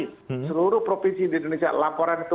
di seluruh provinsi di indonesia laporan itu